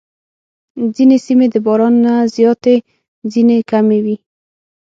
ځینې سیمې د باران نه زیاتې، ځینې کمې وي.